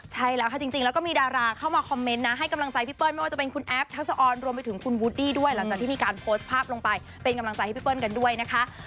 ใช่แล้วค่ะจริงแล้วก็มีดาราเข้ามาคอมเมนต์นะให้กำลังใจพี่เปิ้ลไม่ว่าจะเป็นคุณแอฟทัศออนรวมไปถึงคุณวูดดี้ด้วยหลังจากที่มีการโพสต์ภาพลงไปเป็นกำลังใจให้พี่เปิ้ลกันด้วยนะคะ